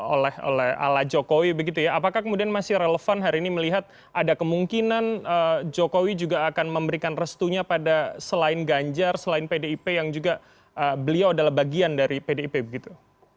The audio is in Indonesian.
oleh ala jokowi begitu ya apakah kemudian masih relevan hari ini melihat ada kemungkinan jokowi juga akan memberikan restunya pada selain ganjar selain pdip yang juga beliau adalah bagian dari pdip begitu